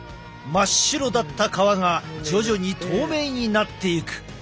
真っ白だった皮が徐々に透明になっていく。